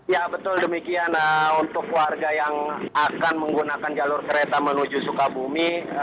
ya betul demikian untuk warga yang akan menggunakan jalur kereta menuju sukabumi